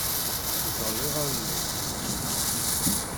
Ẓẓel iɣallen-im.